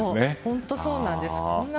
本当にそうなんです。